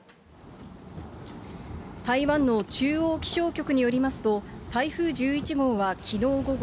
台湾の中央気象局によりますと、台風１１号はきのう午後、